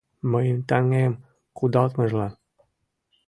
Мыйым таҥем кудалтымыжлан